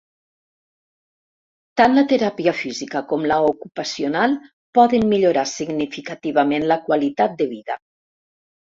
Tant la teràpia física com la ocupacional poden millorar significativament la qualitat de vida.